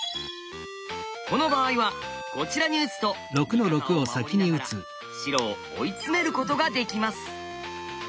この場合はこちらに打つと味方を守りながら白を追い詰めることができます。